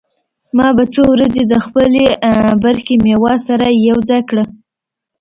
ما به څو ورځې د خپلې برخې مېوه سره يوځاى کړه.